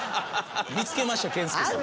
見つけました健介さん。